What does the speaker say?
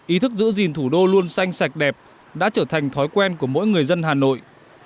ý thức giữ gìn thủ đô luôn xanh sạch đẹp đã trở thành thói quen của mỗi người dân hà nội